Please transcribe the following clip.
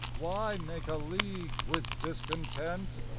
Why make a league with Discontent